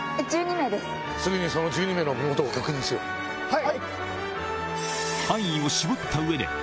はい。